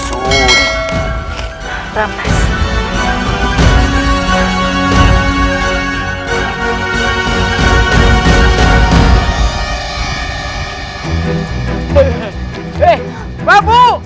saya akan menang